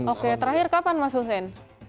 oke terakhir kapan mas hussein